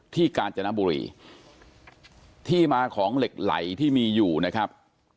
กาญจนบุรีที่มาของเหล็กไหลที่มีอยู่นะครับ